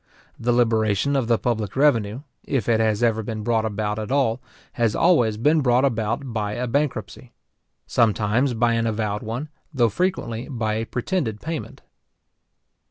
The liberation of the public revenue, if it has ever been brought about at all, has always been brought about by a bankruptcy; sometimes by an avowed one, though frequently by a pretended payment.